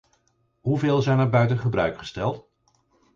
Hoeveel zijn er buiten gebruik gesteld?